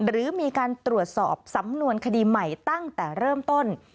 หรือมีการตรวจสอบสำนวนคดีใหม่ตั้งแต่เริ่มต้น